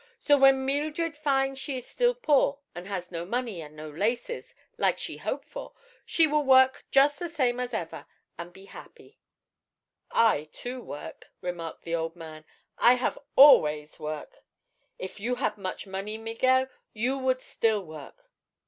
So, when Meeldred find she is still poor, an' has no money an' no laces, like she hope for, she will work jus' the same as ever, an' be happy." "I, too, work," remarked the old man. "I have always work." "If you had much money, Miguel, you would still work."